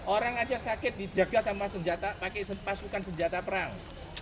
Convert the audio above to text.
orang aja sakit dijaga sama senjata pakai pasukan senjata perang